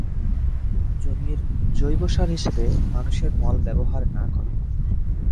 জমির জৈব সার হিসেবে মানুষের মল ব্যবহার না করা।